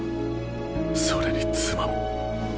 それに妻も。